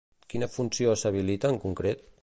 Quina funció s'habilita en concret?